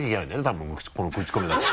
多分このクチコミだと。